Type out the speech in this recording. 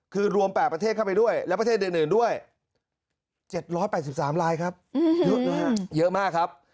คือรวม๘ประเทศเข้าไปด้วยแล้วประเทศเดินอื่นด้วย๗๘๓ลายครับเยอะมากครับ